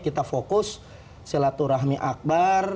kita fokus selat rahmi akbar